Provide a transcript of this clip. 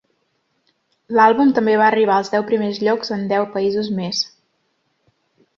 L'àlbum també va arribar als deu primers llocs en deu països més.